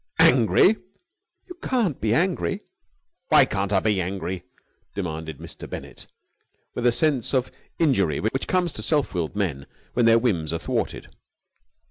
"Angry!" "You can't be angry!" "Why can't I be angry!" demanded Mr. Bennett, with that sense of injury which comes to self willed men when their whims are thwarted.